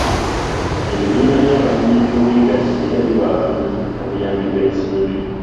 Ebibiina by'abalimi eby'obwegassi era biwa abalimi obuyambi bw'ensimbi.